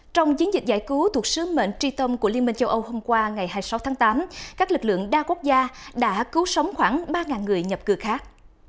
trong chiến dịch giải cứu thuộc sứ mệnh tri tâm của liên minh châu âu hôm qua ngày hai mươi sáu tháng tám các lực lượng đa quốc gia đã cứu sống khoảng ba người nhập cư khác